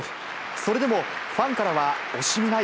それでもファンからは惜しみない